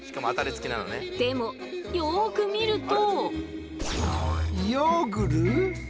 でもよく見ると。